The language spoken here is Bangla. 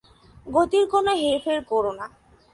গতির কোনো হেরফের করো না।